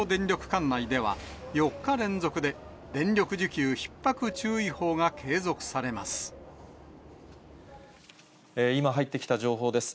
管内では、４日連続で電力需給ひっ迫注意報が継続されます。